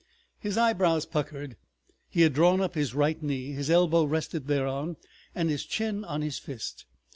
His eyebrows puckered. He had drawn up his right knee, his elbow rested thereon and his chin on his fist.